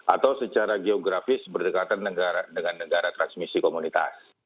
atau secara geografis berdekatan dengan negara transmisi komunitas